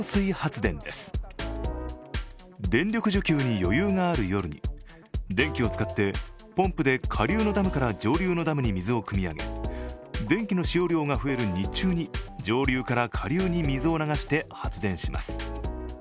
電力需給に余裕がある夜に電気を使ってポンプで下流のダムから上流のダムに水をくみ上げ、電気の使用量が増える日中に上流から下流に水を流して発電します。